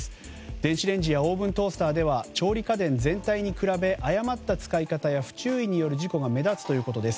電子レンジやオーブントースターでは調理家電全体に比べ誤った使い方や不注意による事故が目立つということです。